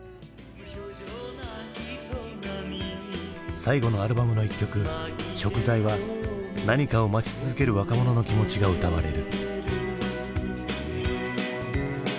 最後のアルバムの一曲「贖罪」は何かを待ち続ける若者の気持ちが歌われる。